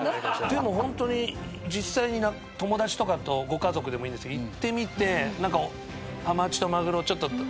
でもホントに実際に友達とかとご家族でもいいですけど行ってみて何かハマチとマグロちょっとねっ。